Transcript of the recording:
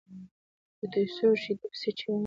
په توى سوو شېدو پيسي چیغي مه وهه!